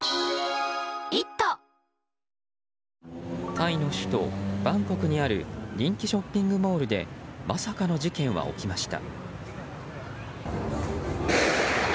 タイの首都バンコクにある人気ショッピングモールでまさかの事件は起きました。